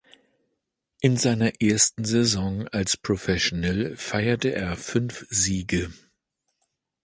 In seiner ersten Saison als Professional feierte er fünf Siege.